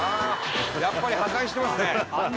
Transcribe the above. やっぱり破壊してますね。